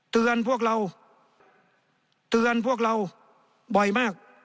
พวกเราเตือนพวกเราบ่อยมาก